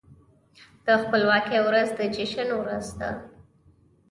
د خپلواکۍ ورځ د جشن ورځ ده.